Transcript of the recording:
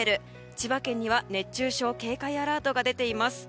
千葉県には熱中症軽快アラートが出ています。